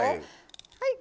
はい。